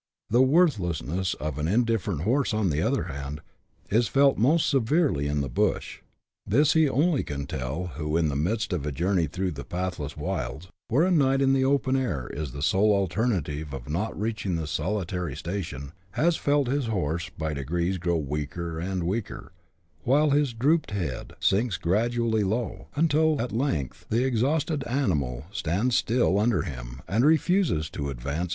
The worthlessness of an indifferent horse, on the other hand, is felt most severely in the bush : this he only can tell, who, in the midst of a journey through the pathless wilds, where a night in the open air is the sole alternative of not reaching the solitary station, has felt his horse by degrees grow weaker and weaker, " while his drooped head sinks gradually low," until at length the exhausted animal stands still under him, and refuses to advance 78 BUSH LIFE IN AUSTRALIA [chap. vii.